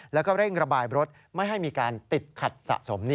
แล้วก็เร่งระบายรถไม่ให้มีการติดขัดสะสม